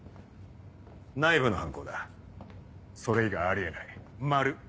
内部の犯行だそれ以外あり得ないまる。